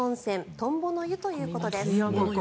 トンボの湯ということです。